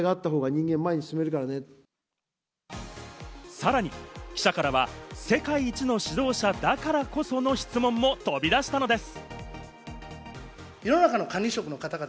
さらに記者からは世界一の指導者だからこその質問も飛び出したのです。